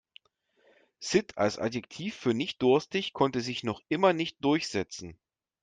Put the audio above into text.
Sitt als Adjektiv für nicht-durstig konnte sich noch immer nicht durchsetzen.